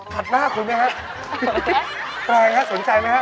ขัดหน้าคุณไหมฮะ